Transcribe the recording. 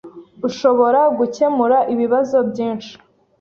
Ushobora gukemura ibibazo byinshi.